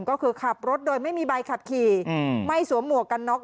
ก็คือขับรถโดยไม่มีใบขับขี่ไม่สวมหมวกกันน็อก